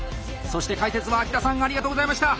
そして解説は秋田さんありがとうございました！